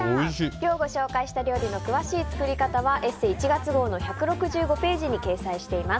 今日ご紹介した料理の詳しい作り方は「ＥＳＳＥ」１月号の１６５ページに掲載しています。